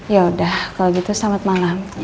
yaudah kalau gitu selamat malam